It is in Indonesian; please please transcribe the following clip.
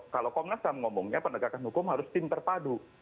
kalau komnas ham ngomongnya penegakan hukum harus tim terpadu